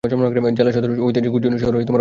জেলা সদর ঐতিহাসিক উজ্জয়িনী শহরে অবস্থিত।